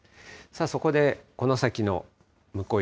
そこで、この先の向こう